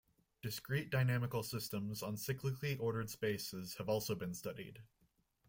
Discrete dynamical systems on cyclically ordered spaces have also been studied.